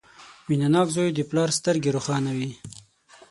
• مینهناک زوی د پلار سترګې روښانوي.